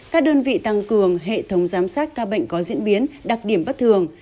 các đơn vị tăng cường hệ thống giám sát ca bệnh có diễn biến đặc điểm bất thường